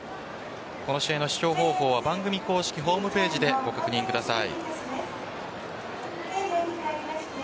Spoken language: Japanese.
この試合の視聴方法は番組公式ホームページでご確認ください。